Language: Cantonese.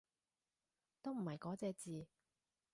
都唔係嗰隻字